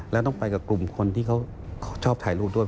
แล้วต้องไปกับกลุ่มคนที่เขาชอบถ่ายรูปด้วย